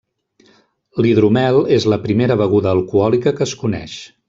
L'hidromel és la primera beguda alcohòlica que es coneix.